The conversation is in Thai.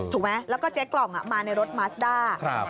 ถูกไหมแล้วก็เจ๊กล่องมาในรถมัสด้า